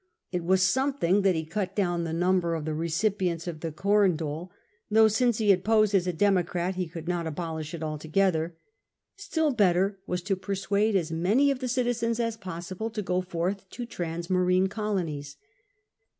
It was something that he cut down the number of the recipients of the corn dole — though since he had posed as a Democrat he could not abolish it altogether. Still better was it to persuade as many of the citizens as possible to go forth to ti'ansmarine colonies.